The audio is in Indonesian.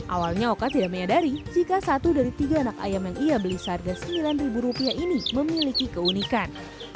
awalnya oka tidak menyadari jika satu dari tiga anak ayam yang ia beli seharga rp sembilan ini memiliki keunikan